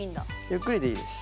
ゆっくりでいいです。